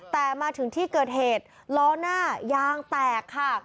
แต่มาถึงที่เกิดเหตุล้อหน้ายางแตกค่ะ